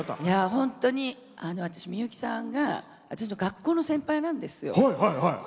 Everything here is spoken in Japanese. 本当に、私、みゆきさんが私の学校の先輩なんですよ。